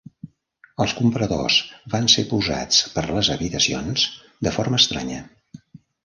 Els compradors van ser posats per les habitacions de forma estranya.